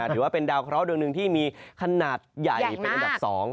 ถือว่าเป็นดาวเคราะห์ดวงหนึ่งที่มีขนาดใหญ่เป็นอันดับ๒